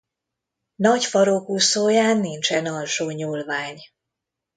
Nagy farokúszóján nincsen alsó nyúlvány.